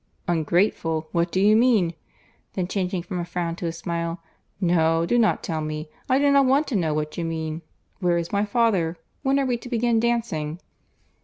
"Ungrateful!—What do you mean?" Then changing from a frown to a smile—"No, do not tell me—I do not want to know what you mean.—Where is my father?—When are we to begin dancing?"